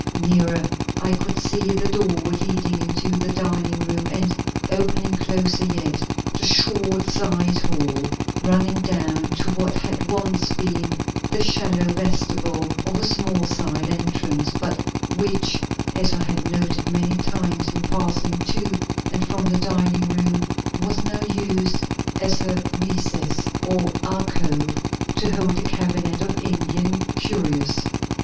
Nearer I could see the door leading into the dining room and, opening closer yet, the short side hall running down to what had once been the shallow vestibule of a small side entrance, but which, as I had noted many times in passing to and from the dining room, was now used as a recess or alcove to hold a cabinet of Indian curios.